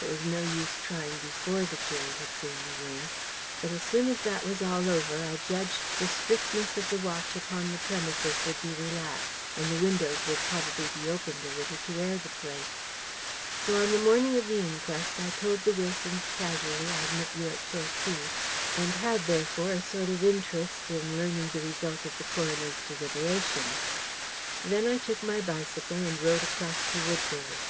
"It was no use trying before the jury had seen the room. But as soon as that was all over, I judged the strictness of the watch upon the premises would be relaxed, and the windows would probably be opened a little to air the place. So on the morning of the inquest, I told the Wilsons casually I'd met you at Torquay and had therefore a sort of interest in learning the result of the coroner's deliberation. Then I took my bicycle, and rode across to Woodbury.